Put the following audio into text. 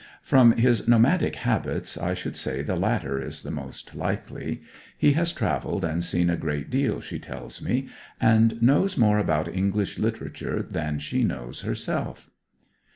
From his nomadic habits I should say the latter is the most likely. He has travelled and seen a great deal, she tells me, and knows more about English literature than she knows herself.